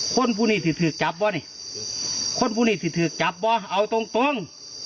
คนผู้นี้ถือถือจับบ่นี่คนผู้นี้ถือถือจับบ่เอาตรงตรง